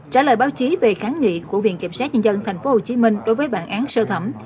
trả lời báo chí về kháng nghị của viện kiểm sát nhân dân tp hcm đối với bản án sơ thẩm